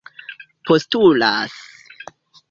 postulas